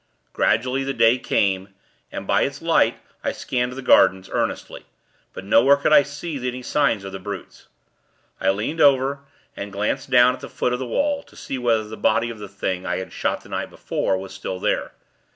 Gradually, the day came, and, by its light, I scanned the gardens, earnestly; but nowhere could I see any signs of the brutes. I leant over, and glanced down to the foot of the wall, to see whether the body of the Thing I had shot the night before was still there.